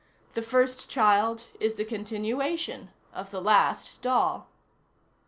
The first child is the continuation of the last doll.